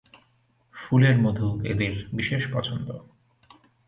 ফুলের মধু এদের বিশেষ পছন্দ।